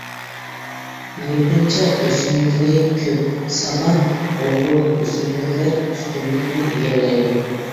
يېپىنچا ئۆسۈملۈكلىرى كۆپ، سامان غوللۇق ئۆسۈملۈكلەر ئۈستۈنلۈكنى ئىگىلەيدۇ.